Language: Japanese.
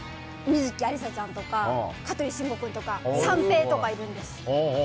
観月ありさちゃんとか香取慎吾君とか三瓶とかいるんです。